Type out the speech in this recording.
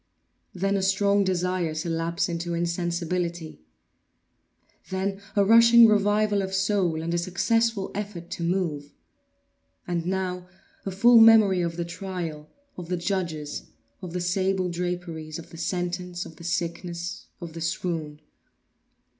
Then a strong desire to lapse into insensibility. Then a rushing revival of soul and a successful effort to move. And now a full memory of the trial, of the judges, of the sable draperies, of the sentence, of the sickness, of the swoon.